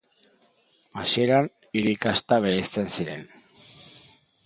Hasieran hiri kasta bereizten ziren.